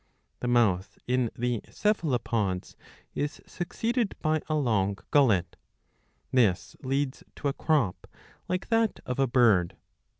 The mouth in the Cephalopods ^^ is succeeded by a long gullet. This leads to a crop, like that of a bird.